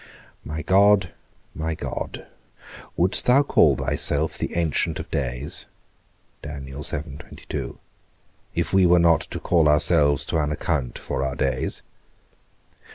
My God, my God, wouldst thou call thyself the ancient of days, if we were not to call ourselves to an account for our days?